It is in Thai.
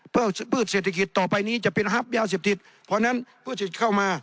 เพื่อเศรษฐกิจต่อไปนี้จะเป็นฮับยาเสพติดเพราะฉะนั้นเพื่อเศรษฐกิจเข้ามา